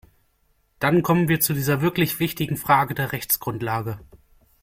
Dann kommen wir zu dieser wirklich wichtigen Frage der Rechtsgrundlage.